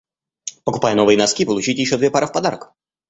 Покупая новые носки, получите ещё две пары в подарок!